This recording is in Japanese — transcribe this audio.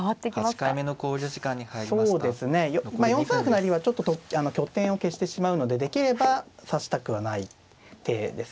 まあ４三歩成は拠点を消してしまうのでできれば指したくはない手ですね。